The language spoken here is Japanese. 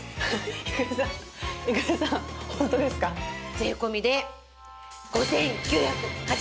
税込で５９８０円！